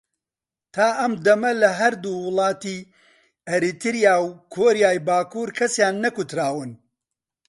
تا ئەم دەمە لە هەردوو وڵاتی ئەریتریا و کۆریای باکوور کەسیان نەکوتراون